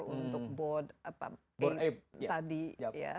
untuk board apa tadi ya